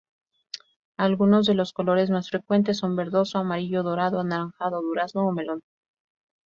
Algunos de los colores más frecuentes son verdoso, amarillo, dorado, anaranjado, durazno o melón.